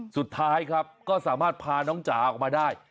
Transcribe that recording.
สุดท้ายครับก็สามารถพาน้องจ๋าออกมาได้